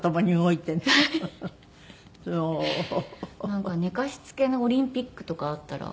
なんか寝かしつけのオリンピックとかあったら。